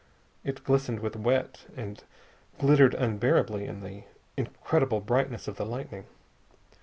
It glistened with wet, and glittered unbearably in the incredible brightness of the lightning.